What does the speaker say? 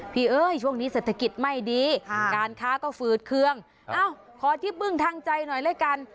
เอ้ยช่วงนี้เศรษฐกิจไม่ดีการค้าก็ฝืดเครื่องเอ้าขอที่บึ้งทางใจหน่อยละกัน